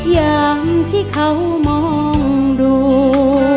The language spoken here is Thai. อย่างที่เขามองดู